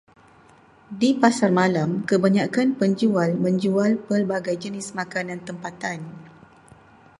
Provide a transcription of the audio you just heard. Di pasar malam kebanyakan penjual menjual pelbagai jenis makanan tempatan.